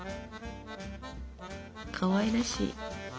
かわいらしい。